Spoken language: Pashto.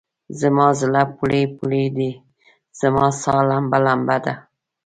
زما زړه پولۍ پولی دی، زما سا لمبه لمبه ده